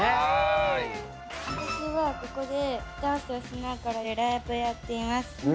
私はここでダンスをしながらライブをやっています。